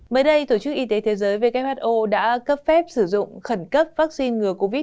mới đây tổ chức y tế thế giới who đã cấp phép sử dụng khẩn cấp vaccine ngừa covid một mươi chín